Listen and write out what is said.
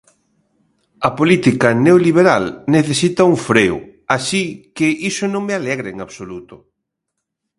A política neoliberal necesita un freo, así que iso non me alegra en absoluto.